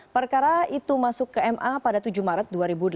perkara itu masuk ke ma pada tujuh maret dua ribu delapan belas